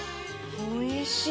おいしい！